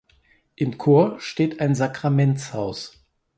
Im Chor steht ein Sakramentshaus.